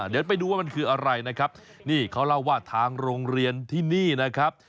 เดี๋ยวไปดูว่ามันคืออะไรนะครับนี่เขาเล่าว่าทางโรงเรียนที่นี่นะครับ